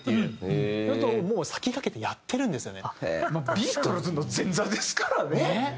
ビートルズの前座ですからね。